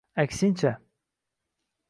aksincha